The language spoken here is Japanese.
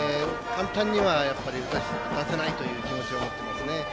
簡単には打たせないという気持ちを持っていますね。